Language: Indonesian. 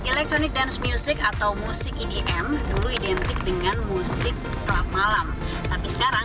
electronic dance music atau musik edm dulu identik dengan musik club malam tapi sekarang